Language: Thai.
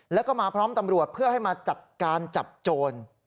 แล้วก็มาพร้อมตำรวจเพื่อให้มาจัดการจับโจร